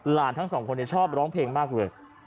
ทั้งสองคนชอบร้องเพลงมากเลย